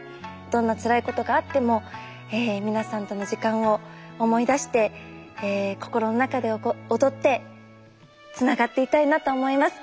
どんなつらいことがあっても皆さんとの時間を思い出して心の中で踊ってつながっていたいなと思います。